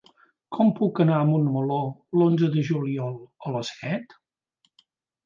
Com puc anar a Montmeló l'onze de juliol a les set?